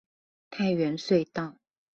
泰源隧道